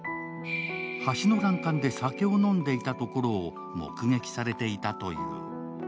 橋の欄干で酒を飲んでいたところを目撃されていたという。